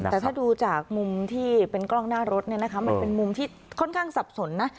แต่ถ้าดูจากมุมที่เป็นกล้องหน้ารถเนี่ยนะคะมันเป็นมุมที่ค่อนข้างสับสนนะ